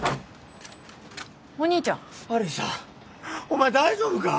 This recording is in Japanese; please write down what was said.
お前大丈夫か！？